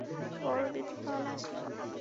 বড়দিদি কাল আসবেন।